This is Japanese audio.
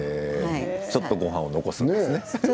ちょっとごはんを残すんですね。